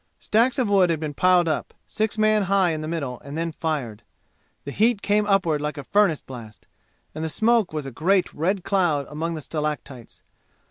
Stacks of wood had been piled up, six man high in the middle, and then fired. The heat came upward like a furnace blast, and the smoke was a great red cloud among the stalactites.